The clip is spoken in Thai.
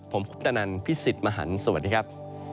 ผมคุปตนันพี่สิทธิ์มหันฯสวัสดีครับ